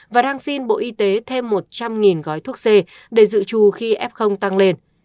và đang xin bộ y tế thêm một trăm linh gói thuốc c để dự trù khi f tăng lên